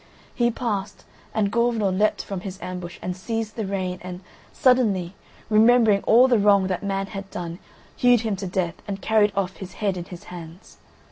He passed and Gorvenal leapt from his ambush and seized the rein and, suddenly, remembering all the wrong that man had done, hewed him to death and carried off his head in his hands.